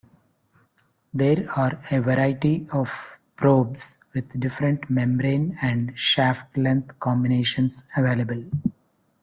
There are a variety of probes with different membrane and shaft length combinations available.